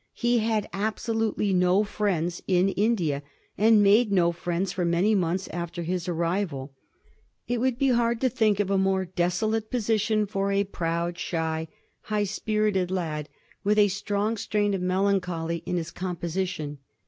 He had absolutely no friends in India, and made no friends for many months after his ar rival. It would be hard to think of a more desolate posi tion for a proud, shy, high spirited lad with a strong strain of melancholy in his composition.